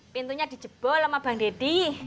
pintunya dijebol sama bang deddy